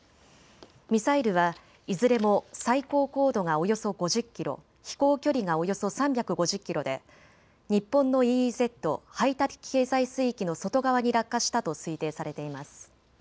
ミサイルはいずれも最高高度がおよそ５０キロ、飛行距離がおよそ３５０キロで日本のＥＥＺ・排他的経済水域の外側に落下したと推定されています。